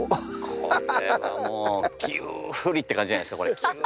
これはもうキュウーリって感じじゃないすかこれ。